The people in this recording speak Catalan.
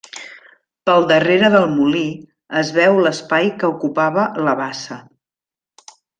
Pel darrere del molí es veu l'espai que ocupava la bassa.